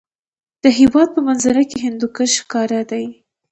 د هېواد په منظره کې هندوکش ښکاره دی.